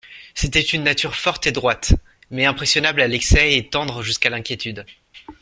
C'était une nature forte et droite, mais impressionnable à l'excès et tendre jusqu'à l'inquiétude.